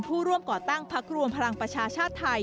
ผู้ร่วมก่อตั้งพักรวมพลังประชาชาติไทย